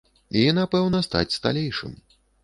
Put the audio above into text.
І, напэўна, стаць сталейшым.